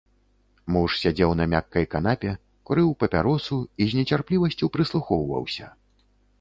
Муж сядзеў на мяккай канапе, курыў папяросу і з нецярплівасцю прыслухоўваўся.